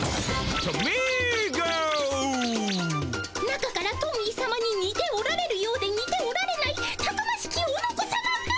中からトミーさまににておられるようでにておられないたくましきおのこさまが！